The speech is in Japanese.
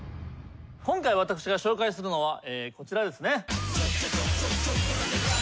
今回私が紹介するのはこちらですね。